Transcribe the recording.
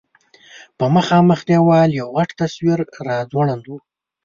په مخامخ دېوال یو غټ تصویر راځوړند و.